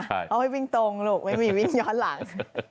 เขาไม่วิ่งตรงลูกไม่มีวิ่งย้อนหลัง